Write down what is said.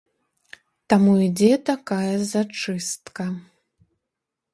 Таму ідзе такая зачыстка.